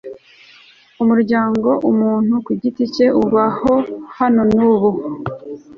umuryango umuntu ku giti cye ubahohanonaubu